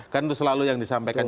kan itu selalu yang disampaikan